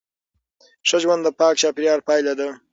ښه ژوند د پاک چاپیریال پایله ده.